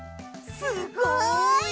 すごい！